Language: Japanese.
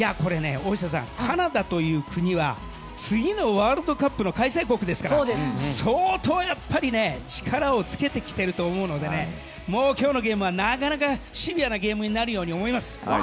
カナダという国は次のワールドカップの開催国ですから相当やっぱり力をつけてきてると思うのでもう今日のゲームはなかなかシビアなゲームになるように思います。